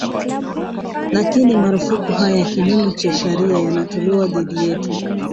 lakini marufuku haya ya kinyume cha sharia yanatolewa dhidi yetu